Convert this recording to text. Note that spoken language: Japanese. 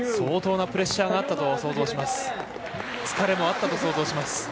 相当なプレッシャーがあったと想像します。